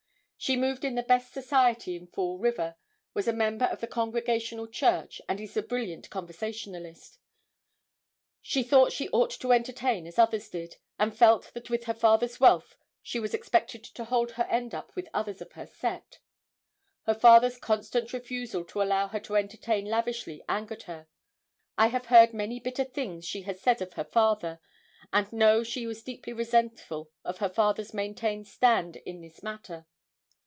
She moved in the best society in Fall River, was a member of the Congregational church, and is a brilliant conversationalist. She thought she ought to entertain as others did, and felt that with her father's wealth she was expected to hold her end up with others of her set. Her father's constant refusal to allow her to entertain lavishly angered her. I have heard many bitter things she has said of her father, and know she was deeply resentful of her father's maintained stand in this matter.